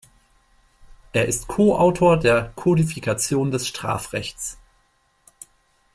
Er ist Co-Autor der Kodifikation des Strafrechts.